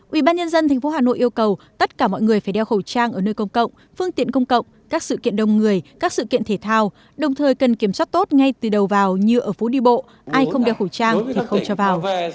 ubnd tp hà nội yêu cầu tất cả mọi người phải đeo khẩu trang ở nơi công cộng phương tiện công cộng các sự kiện đông người các sự kiện thể thao đồng thời cần kiểm soát tốt ngay từ đầu vào như ở phố đi bộ ai không đeo khẩu trang thì không cho vào